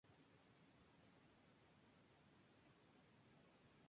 Surge con la idea de construir un cuartel seguro y confiable en Cumaná.